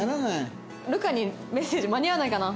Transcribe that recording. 流佳にメッセージ間に合わないかな？